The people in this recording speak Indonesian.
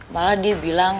malah dia bilang